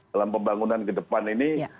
dalam pembangunan ke depan ini